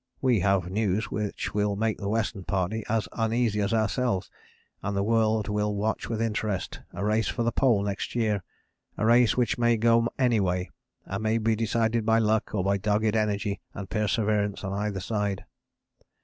We have news which will make the Western Party as uneasy as ourselves and the world will watch with interest a race for the Pole next year, a race which may go any way, and may be decided by luck or by dogged energy and perseverance on either side.